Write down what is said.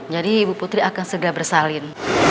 jadi ibu putri akan segera bersalin